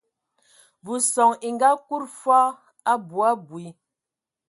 Ve son e ngaakud foo abui abui.